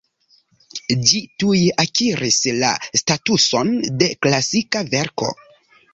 Ĝi tuj akiris la statuson de klasika verko.